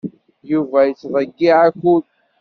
Yuba yettḍeyyiɛ akud.